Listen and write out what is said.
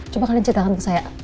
coba kalian ceritakan ke saya